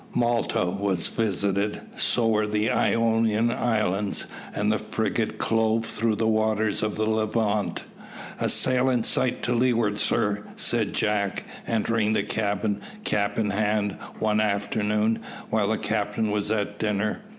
Malta was visited, so were the Ionian Islands, and the frigate clove through the waters of the Levant. "A sail in sight to leeward, sir," said Jack, entering the cabin, cap in hand, one afternoon, while the captain was at dinner.